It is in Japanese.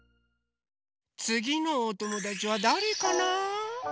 つぎのおともだちはだれかな？